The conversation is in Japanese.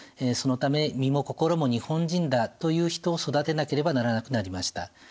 そのため身も心も日本人だという人を育てなければならなくなりました。